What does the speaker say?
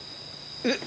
えっ？